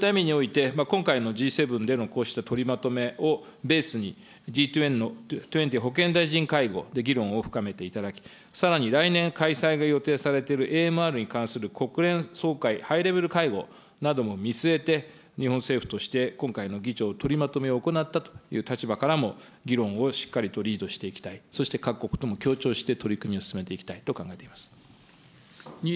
そういった意味において、今回のＧ７でのこうした取りまとめをベースに、Ｇ２０保健大臣会合で議論を深めていただき、さらに来年開催が予定されているＡＭＲに関する国連総会ハイレベル会合なども見据えて、日本政府として今回の議長を取りまとめを行ったという立場からも、議論をしっかりとリードしていきたい、そして各国とも協調して取り組みを進めていきたいと考えております。